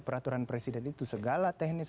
peraturan presiden itu segala teknis